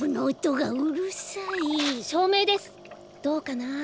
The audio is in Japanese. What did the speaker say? どうかな。